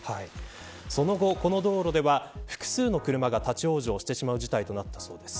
その後、この道路では複数の車が立ち往生してしまう事態となったそうです。